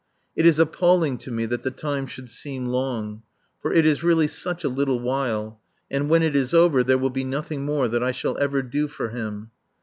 It is appalling to me that the time should seem long. For it is really such a little while, and when it is over there will be nothing more that I shall ever do for him.